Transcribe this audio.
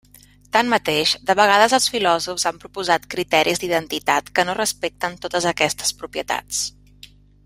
Tanmateix, de vegades els filòsofs han proposat criteris d'identitat que no respecten totes aquestes propietats.